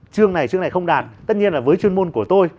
chương này không đạt tất nhiên là với chuyên môn của tôi